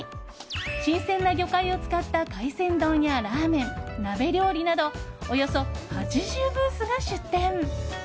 新鮮な魚介を使った海鮮丼やラーメン、鍋料理などおよそ８０ブースが出店。